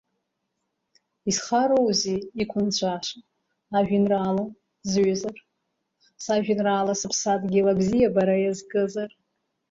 Исхароузеи, иқәынҵәаша, ажәеинраала зҩызар, сажәеинраала сыԥсадгьыл абзиабара иазкызар.